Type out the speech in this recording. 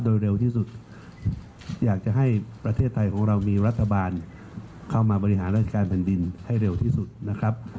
โดยเร็วที่สุดอยากจะให้ประเทศไทยของเรามีรัฐบาลเข้ามาบริหารราชการแผ่นดินให้เร็วที่สุดนะครับ